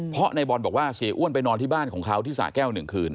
เพราะในบอลบอกว่าเสียอ้วนไปนอนที่บ้านของเขาที่สะแก้ว๑คืน